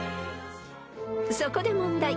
［そこで問題］